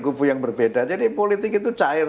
kubu yang berbeda jadi politik itu cair